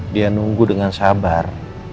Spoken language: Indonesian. dia nunggu dengan sabar